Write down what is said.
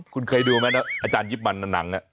คุณเคยดูไหมนะอาจารย์ยิบมันนั่นหนัง